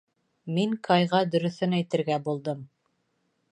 Мин Кайға дөрөҫөн әйтергә булдым.